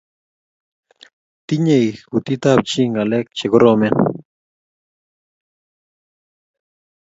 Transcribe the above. Tinyei kutitab chii ngalek chegoromen